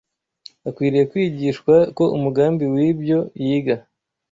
akwiriye kwigishwa ko umugambi w’ibyo yiga